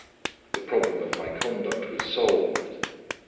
The problem of my conduct was solved.